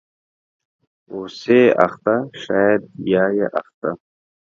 .اوسې اخته شاید یا یې اخته